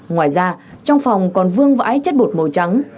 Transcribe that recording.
ngoài ra trong phòng còn vương vãi chất bột màu trắng